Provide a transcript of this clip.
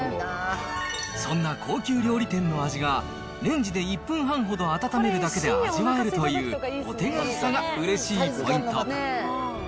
そんな高級料理店の味が、レンジで１分半ほど温めるだけで味わえるという、お手軽さがうれしいポイント。